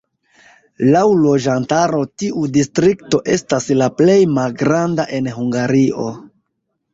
Laŭ loĝantaro tiu distrikto estas la plej malgranda en Hungario.